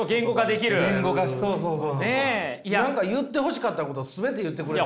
何か言ってほしかったこと全て言ってくれた。